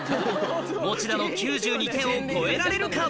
餅田の９２点を超えられるか？